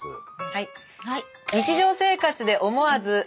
はい。